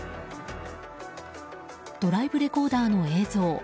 ドライブレコーダーの映像。